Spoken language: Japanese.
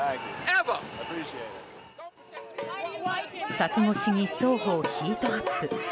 柵越しに双方ヒートアップ。